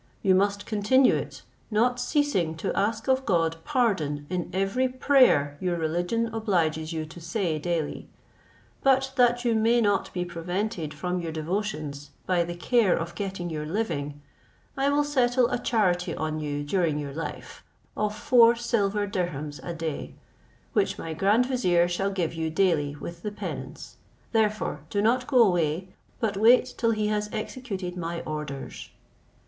You must continue it, not ceasing to ask of God pardon in every prayer your religion obliges you to say daily: but that you may not be prevented from your devotions by the care of getting your living, I will settle a charity on you during your life, of four silver dirhems a day, which my grand vizier shall give you daily with the penance, therefore do not go away, but wait till he has executed my orders."